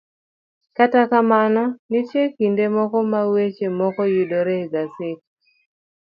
Kata kamano, nitie kinde moko ma weche moko mayudore e gaset